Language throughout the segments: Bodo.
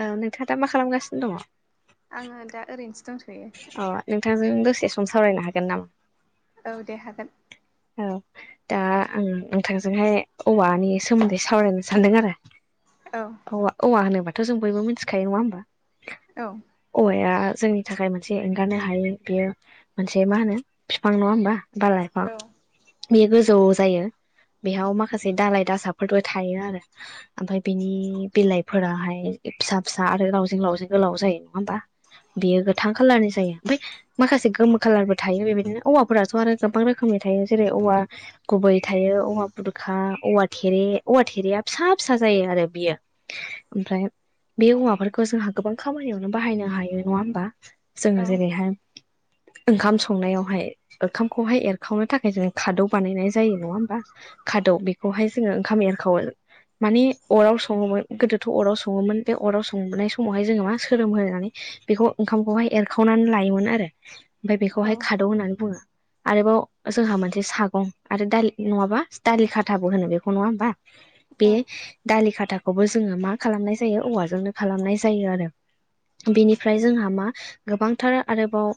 औ नोंथाङा दा मा खालामगासिनो दङ? आङो दा ओरैनोसो दंथ'यो अ नोंथांजों दसे सम सावरायनो हागोन नामा? औ दे हागोन औ दा आं नोंथांजोंहाय औवानि सोमोन्दै सावरायनो सानदों आरो औ औवा औवा होनोबाथ' जों बयबो मिथिखायो नङा होमबा औ औवाया जोंनि थाखाय मोनसे एंगारनो हायै बेयो मोनसे मा होनो बिफां नङा होमबा बा लायफां औ बेयो गोजौ जायो बेहाव माखासे दलााय दासाफोरबो थायो आरो ओमफाय बिनि बिलाइफोराहाय फिसा फिसा आरो लावजें लावजें गोलाव जायो नङा होमबा बेयो गोथां खालारनि जायो ओमफाय माखासे गोमो कालारबो थायो बेबायदिनो औवाफोराथ' आरो गोबां रोखोमनि थायो जेरै औवा गुबै थायो औवा बुरखा औवा थेरे औवा थेरेया फिसा फिसा जायो आरो बियो ओमफ्राय बे हौवाफोरखौ जोंहा गोबां खामानियावनो बाहायनो हायो नङा होमबा जोङो जेरैहाय ओंखाम संनायावहाय ओंखामखौहाय एर खावनो थाखाय जोङो खादौ बानायनाय जायो नङा होमबा खादौ बेखौहाय जोङो ओंखाम एरखावो माने अराव सङोमोन गोदोथ' अराव सङोमोन बे अराव संबोनाय समावहाय जोङो मा सोरोम होनानै बेखौ ओंखामखौहाय एरखावनानै लायोमोन आरो ओमफाय औ बेखौहाय खादौ होननानै बुङो आरोबाव जोंहा मोनसे सागं आरो दालि नङाबा दालि खाथाबो होनो बेखौ नङा होमबा बे औ दालि खाथाखौबो जोङो मा खालामनाय जायो औवाजोंनो खालामनाय जायो आरो बिनिफ्राय जोंहा मा गोबांथार आरोबाव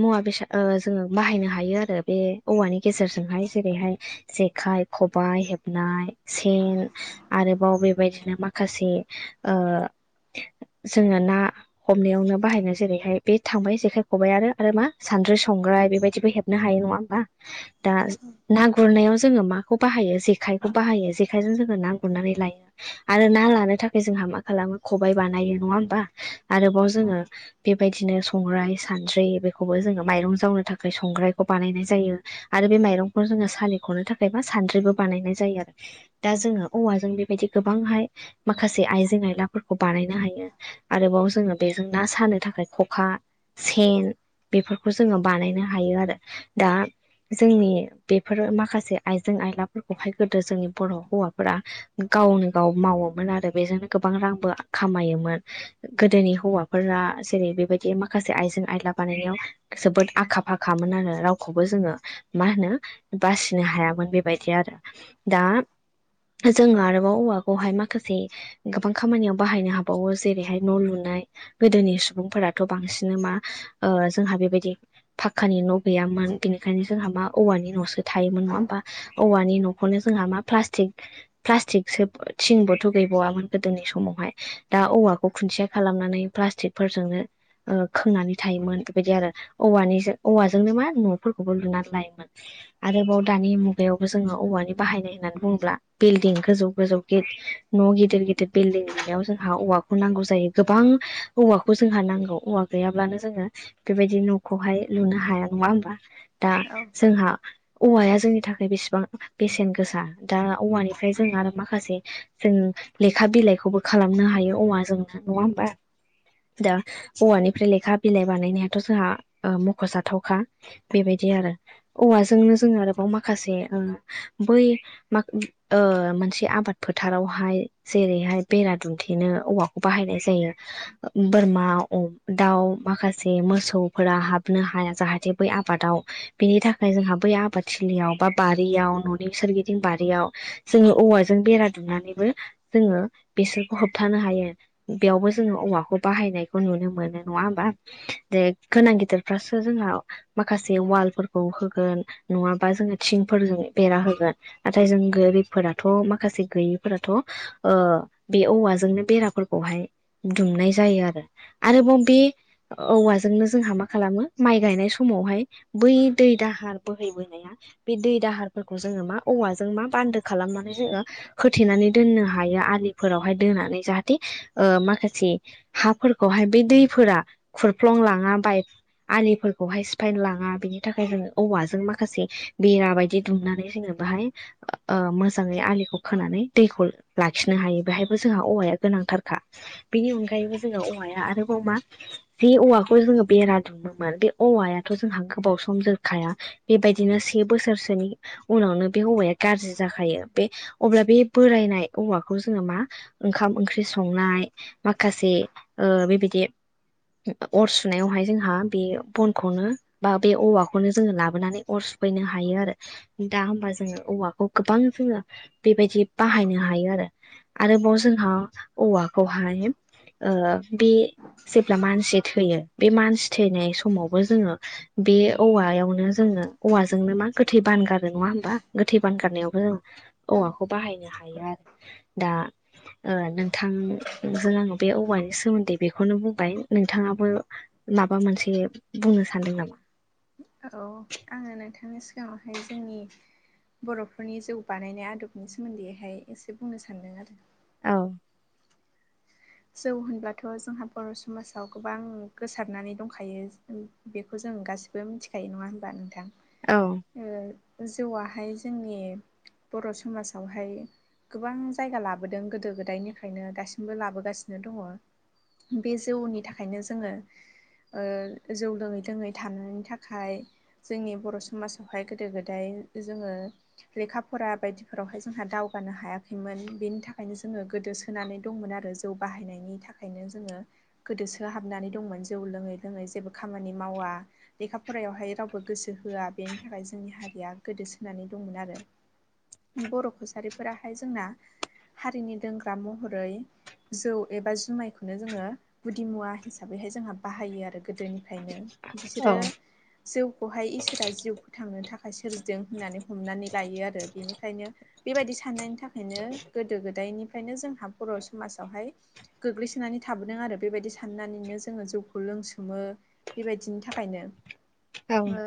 मुवा बेसाद ओ जोङो बाहायनो हायो आरो बे औवानि गेजेरजोंहाय जेरैहाय जेखाइ, खबाइ नाय सेन आरोबाव बेबायदिनो माख खासे ओ जोङो ना हमनायावनो बाहायनाय जेरैहाय बे थांबाय जेखाइ खबाइ आरो मा सान्द्रै संग्राय बेबायदिबो हेबनो हायो नङा होमबा दास ना गुरनायाव जोङो माखौ बाहायो जेखायखौ बाहायो जेखायजों जोङो ना गुरनानै लायो आरो ना लानो थाखाय जोंहा मा खालामो खबाइ बानायो नङा होमबा? आरोबाव जोङो बेबायदि बिदिनो संग्राइ सानद्रि बेखौबो जोङो माइरं जावनो थाखाय संग्रायखौ बानायनाय जायो आरो बे माइरंफोर जोङो सालिख'नो थाखायबा सान्द्रिबो बानायनाय जायो आरो दा जोङो औवाजों बेबायदि गोबांहाय माखासे आइजें आयलाफोरखौ खौ बानायनो हायो आरोबाव जोङो बेजों ना सानो थाखाय खखा सेन बेफोरखौ जोङो बानायनो हायो आरो दा जोंनि बेफोर माखासे आइजें आइलाफोरखौहाय गोदो जोंनि बर' हौवाफोरा गावनो गाव मावोमोन आरो बेजोंनो गोबां रांबो खामायो मोन गोदोनि हौवाफोरा जेरै बेबायदि माखासे आयजें आयला बानायनायाव जोबोद आखा फाखामोन आरो रावखौबो जोङो मा होनो बासिनो हायामोन बेबायदि आरो दा जोङो आरोबाव औवा खौहाय माखासे गोबां खामानियाव बाहायनो हाबावो जेरैहाय न' लुनाय गोदोनि सुबुंफोराथ' बांसिनो मा ओ जोंहा बेबायदि फाक्कानि न' गैयामोन बिनिखायनो जोंहा मा औवानि न'सो थायोमोन नङा होमबा? औवानि न'खौनो जोंहा मा प्लास्टिक प्लास्टिकसो थिंनबोथ' गैबावआमोन गोदोनि समावहाय। दा औवाखौ खुन्थिया खालामनानै प्लास्टिक फोरजोंनो ओ खोंनानै थायोमोन बेबायदि आरो औवानिजो औवाजोंनो मा न' फोरखौबो लुनानै लायोमोन आरोबाव दानि मुगायावबो जोङो औवानि बाहायनाय होननानै बुङोब्ला बिल्डिं गोजौ गोजौ गेट न' गिदिर गिदिर बिल्डिं लुनायाव जोंहा औवाखौ नांगौ जायो गोबां औवाखौ जोंहा नांगौ औवा गैयाब्लानो जोङो बेबायदि न'खौहाय लुनो हाया नङा होमबा? दा औ जोंहा औवाया जोंनि थाखाय बेसेबां बेसेन गोसा दा औवानिफ्राय जों आरो माखासे जों लेखा बिलाइखौबो खालामनो हायो औवा जोंनो नङा होमबा? दा औवानिफ्राय लेखा बिलाइ बानायनायाथ' जोंहा ओ मख'जाथावखा। बेबायदि आरो औवाजोंनो जोङो आरोबाव माखासे ओ बै मा ओ मोनसे आबाद फोथारावहाय जेरैहाय बेरा दुमथेनो औवाखौ बाहायनाय जायो ओ बोरमा दाउ माखासे मोसौफोरा हाबनो हाया जाहाथे बै आब आबादाव बिनि थाखाय जोंहा बै आबाद थिलियाव बा बारियाव न'नि सोरगिदिं बारियाव जोङो औवाजों बेरा दुमनानैबो जोङो बेसोरखौ होबथानो हायो। बेयावबो जोङो औवाखौ बाहायनायखौ नुनो मोनो नङा होमबा? जे गोनां गिदिरफ्रासो जोंहा माखासे वालफोरखौ होगोन नङाबा जोङो थिंफोरजों बेरा होगोन। नाथाय जों गोरिब फोराथ' माखासे गैयिफोराथ' ओ बे औवाजोंनो बेराफोरखौहाय दुमनाय जायो आरो। आरोबाव बे औवाजोंनो जोंहा मा खालामो माइ गायनाय स समावहाय बै दै दाहार बोहैबोनाया बे दै दाहारफोरखौ जोङो मा औवाजों मा बान्दो खालामनानै जोङो होथेनानै दोननो हायो आलिफोरावहाय दोननानै जाहाथे ओ माखासे हाफोरखौहाय बे दैफोरा खुरफ्लं लाङा बाय आलिफोर बहाय सिफाय लाङा बेनि थाखाय जोङो औवाजों माखासे बेरा बायदि दुमनानै जोङो बाहाय ओ मोजाङै आलिखौ खोनानै दैखौ लाखिनो हायो बेहायबो जोंहा औवाया गोनांथारखा। बेनि अनगायैबो जोङो औवाया आरोबाव मा बे औवाखौ जोङो बेरा दुमोमोन बे औवायाथ' जोंहा गोबाव सम जोरखाया बेबायदिनो से बोसोरसोनि उनावनो बे औवाया गाज्रि जाखायो बे अब्ला बे बोरायनाय औवाखौ जोङो मा ओंखाम ओंख्रि संनाय माखासे ओ बेबायदि अर सुनायावहाय जोंहा बे बनखौनो बा बे औवाखौनो जोङो लाबोनानै अर सुफैनो हायो आरो। दा होमबा जोङो औवाखौ गोबां जोङो बेबायदि बाहायनो हायो आरो। आरोबाव जोंहा औवाखौहाय ओ बे जेब्ला मानसि थैयो बे मानसि थैनाय समावबो जोङो बे औवायावनो जोङो औवाजोंनो मा गोथै बानगारो नङा होमबा गोथै बानगारनायावबो औवाखौ बाहायनो हायो आरो। दा ओ नोंथां नोंजों आङो बे औवानि सोमोन्दै बेखौनो बुंबाय नोंथाङाबो माबा मोनसे बुंनो सानदों नामा? औ आङो नोंथांनि सिगाङावहाय जोंनि बर'फोरनि जौ बानायनाय आदबनि सोमोन्दैहाय एसे बुंनो सान्दों आरो। औ। [inaudible] जौ होनब्लाथ' जोंहा बर' समाजाव गोबां गोसारनानै दंखायो बेखौ जों गासिबो मिथिखायो नङा होनबा नोंथां औ ओ जौआ हाय जोंनि बर' समाजावहाय गोबां जायगा लाबोदों गोदो गोदायनिफ्रायायनो गासिबो बो लाबोगासिनो दङ बे जौनि थाखायनो जोङो ओ जौ लोङै लोङै थानायनि थाखाय जोंनि बर' समाजावहाय गोदो गोदाय जोङो लेखा फरा बायदिफोरावहाय जोंहा दावगानो हायाखैमोन बेनि थाखायनो जोङो गोदोसोनानै दंमोन आरो जौ बाहायनायनि थाखायनो जोङो गोदोसो हाबनानै दंमोन जौ लोङै लोङै जेबो खामानि मावा लेखा फरायायावहाय रावबो गोसो होआ बेनि थाखाय जोंनि हारिया गोदोसोनानै दंमोन आरो बर' कसारिफोराहाय जोंना हारिनि दोंग्रा महरै जौ एबा जुमायखौनो जोङो गुदि मुवा हिसाबैहाय जोंहा बाहायो आरो गोदोनिफ्रायनो औ बिसोरो जौखौहाय इसोरा जिउ फोथांनो थाखाय सोरजिदों होननानै हमनानै लायो आरो बेनिखायनो बेबायदि साननायनि थाखायनो गोदो गोदायनिफ्रायनो जोंहा बर' समाजावहाय गोग्लैसोनानै थाबोदों आरो बेबायदि साननानैनो जोङो जौखौ लोंसोमो बेबायदिनि थाखायनो औ ओ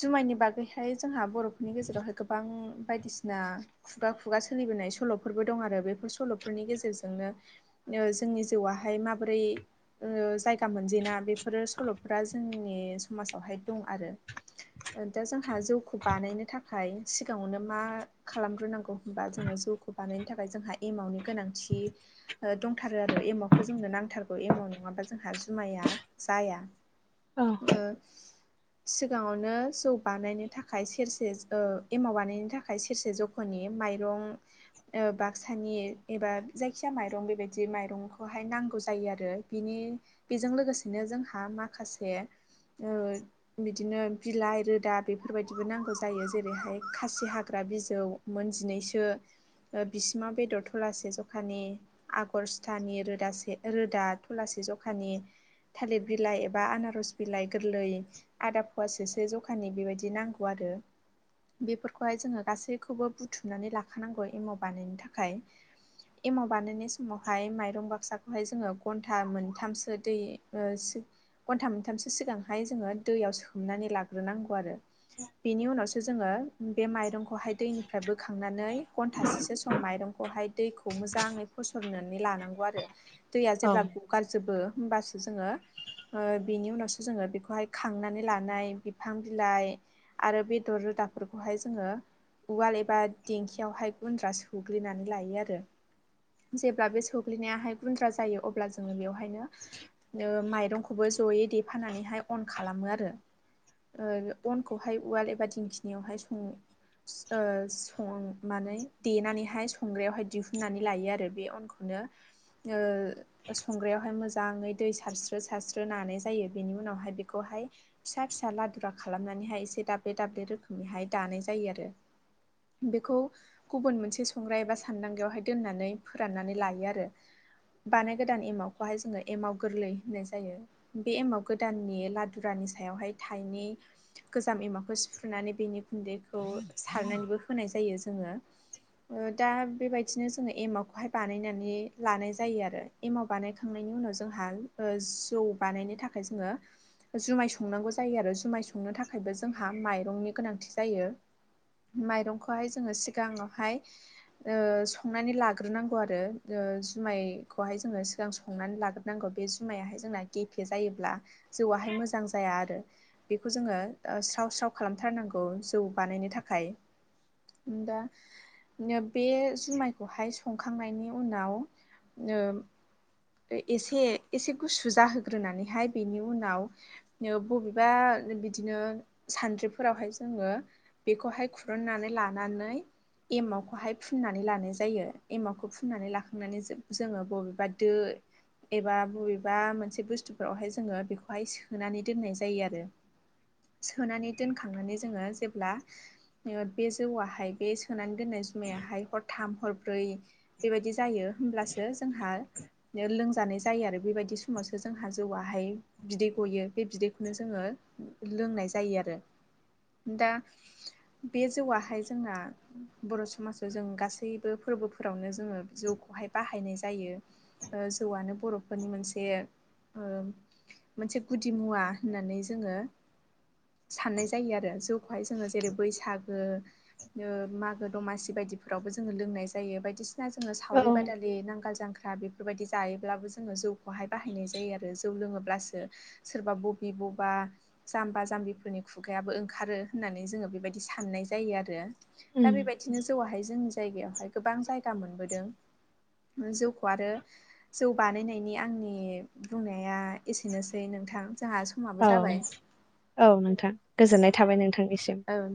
जुमायनि बागैहाय जोंहा बर'फोरनि गेजेरावहाय गोबां बायदिसिना खुगा खुगा सोलिबोनाय सल'फोरबो दं आरो बेफोर सल'फोरनि गेजेरजोंनो ओ जोंनि जिउआाहाय माबोरै ओ जायगा मोनजेना बेफोरो सल'फ जोंनि समाजावहाय दं आरो दा जोंहा जौखौ बानायनो थाखाय सिगाङावनो मा खालामग्रोनांगौ होनबा जोङो जौखौ खौ बानायनो थाखाय जोंहा एमाउनि गोनांथि ओ दंथारो आरो एमावखौ जोंनो नांथारगौ एमाव नङाबा जोंहा जुमाया जाया औ ओ सिगाङावनो जौ बानायनो थाखाय सेरसे ओ एमाव बानायनो थाखाय सेरसे जौ माने मायरं ओ सानि एबा जायखिजाया माइरं बेबायदि माइरंखौहाय नांगौ जायो आरो बिनि बेजों लोगोसेनो जोंहा माखासे बिदिनो बिलाइ रोदा बेफोरबायदिबो नांगौ जायो जेरैहाय खासि हाग्रा बिजौ मोनजिनैसो बिसिमा बेदर थलासे जखानि आगर सिथानि रोदासे रोदा थुलासे जखानि थालिर बिलाइ एबा आनारस बिलाइ गोरलै आदा फवाासोसो जखानि बेबायदि नांगौ आरो बेफोरखौहाय जोङो गासैखौबो बुथुमनानै लाखानांगौ एमाव बानायनो थाखाय एमाव बानायनाय समावहाय माइरं बाक्साखौहाय जोङो घन्टा मोनथामसो दै ओ सि- घन्टा मोनथामसो सिगांहाय जोङो दैयाव सोमनानै लाग्रोनांगौ आरो बेनि उनावसो जोङो बे माइरंखौहाय दैनिफ्राय बोखांनानै घन्टासेसो सम माइरं खैहाय दैखौ मोजै फसनानै लांगौ आरो दैया औ जेबला ग- हगारजोबो होमबासो जोङो बेनि उनावसो जोङो बेखौहाय खांनानै लानाय बिफां बिलाइ आरो बेदर रोदाफोरखौहाय जोङो उवाल एबा दिेंखियावहाय गुन्द्रा सो गुलिनानै लायो आरो जेब्ला बे सौग्लिनायाहाय गुन्द्रा जायो अब्ला जोङो बेवहायनो माइरंखौबो जयै देफानानैहाय अन खालामो आरो अनखौहाय उवाल एबा दिंखिनियावहाय सङो ओ संनानै देनानै बेहाय संग्रायावहाय दिहुननानै लायो आरो बे अनखौनो संग्रायावहाय मोजाङै दै सारस्रो सारस्रो नानाय जायो बेनि उनावहाय बेखौहाय फिसा फिसा लादुरा खालामनानैहाय एसे दाब्ले दाब्ले रोखोमनिहाय दानाय जायो आरो बेखौ गुबुन मोनसे संग्राय एबा सान्दांगयावहाय दोननानै फोराननानै लायो आरो बानाय गोदान एमावखौ बाहाय जोङो एमाव गोरलै होननाय जायो। बे एमाव गोदाननि लादुरानि सायावहाय थायनै गोजाम एमाखौ सिफ्रुनानै बेनि गुन्दैखौ सारनानैबो होनाय जायो जोङो दा बेबायदिनो जोङो एमाव खौहाय बानायनानै लानाय जायो आरो एमाव बानायखांनायनि उनाव जोंहा जौ बानायनो थाखाय जोङो जुमाय संनांगौ जायो आरो जुमाय संनो थाखायबो जोंहा माइरंनि गोनांथि जायो। माइरंखौहाय जोङो सिगाङावहाय [inaudible] संनानै लाग्रोनांगौ आरो जुमायखौहाय जोङो सिगां संनानै लाग्र नांगौ बे जुमायाहाय जोंना गेफे जायोब्ला जौआाहाय मोजां जाया आरो बेखौ जोङो स्राव स्राव खालामथारनांगौ जौ बानायनो थाखाय दा बे जुमायखौहाय संखांनायनि उनाव एसे एसे गुसु जाहोग्रोनानैहाय बेनि उनाव बबेबा बिदिनो सानद्रिफोरावहाय जोङो बेखौहाय खुरुननानै लानानै एमावखौहाय फुननानै लानाय जायो एमावखौ फुननानै लाखांनानै जोङो बबेबा दो एबा बबेबा मोनसे बुस्थुफोरावहाय जोङो बेखौहाय सोनानै दोननाय जायो आरो सोनानै दोनखांनानै जोङो जेब्ला बे जौवाहाय बे सोनानै दोननाय जुमायाहाय हरथाम हरब्रै बेबायदि जायो होमब्लासो जोंहा लोंजानाय जायो आरो बेबायदि समावसो जोंहा जौआहाय बिदै गयो बे बिदैखौनो जोङो लोंनाय जायो आरो दा बे जौआहाय जोंना बर' समाजाव जों गासैबो फोरबोफोरावनो जोङो जौखौहाय बाहायनाय जायो। जौआनो बर'फोरनि मोनसे मोनसे गुदि मुवा होननानै जोङो साननाय जायो आरो जौखौहाय जोङो जेरै बैसागो ओ मागो दमासि बायदिफोरावबो जोङो लोंनाय जायो बायदिसिना जोङो औ सावरि बादालि नांगाल जांख्रा बे बेफोरबायदि जायोब्लाबो जोङो जौखौहाय बाहायनाय जायो आरो जौ लोङोब्लासो सोरबा बबबि बबा जाम्बा जाम्बिफोरनि खुगायाबो ओंखारो होननानै जोङो बेबायदि साननाय जायो आरो उम दा बेबायदिनो जौआवहाय जोंनि जायगायावहाय गोबां जायगा मोनबोदों जौखौ आरो जौ बानायनायनि आंनि बुंनाया एसेनोसै नोंथां जोंहा औ समाबो जाबाय। औ नोंथां गोजोननाय थाबाय नोंथांनिसिम। औ